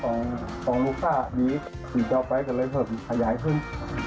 สิ่งต่อไปกันเลยเพิ่มขยายขึ้น